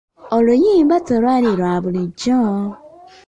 Oluyimba telwali lwa bulijjo.